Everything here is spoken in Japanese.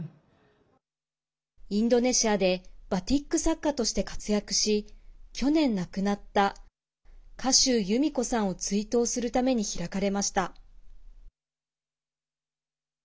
インドネシアでバティック作家として活躍し去年、亡くなった賀集由美子さんを追悼するために開かれました。